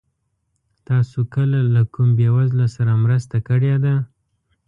تاسو کله له کوم بېوزله سره مرسته کړې ده؟